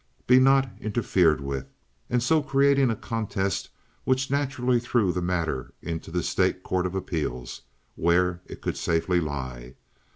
be not interfered with, and so creating a contest which naturally threw the matter into the State Court of Appeals, where it could safely lie.